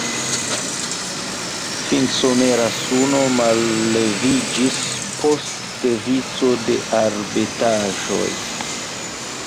Finsomera suno malleviĝis post vico da arbetaĵoj.